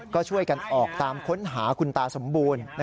ก็ช่วยกันออกตามค้นหาคุณตาสมบูรณ์